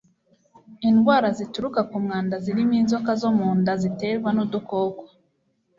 Indwara zituruka ku mwanda zirimo inzoka zo mu nda ziterwa n'udukoko